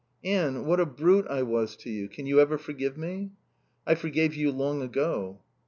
"Anne, what a brute I was to you. Can you ever forgive me?" "I forgave you long ago."